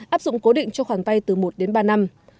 áp dụng cố định cho khoản vay từ một đến ba năm